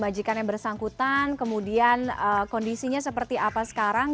majikan yang bersangkutan kemudian kondisinya seperti apa sekarang